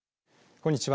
こんにちは。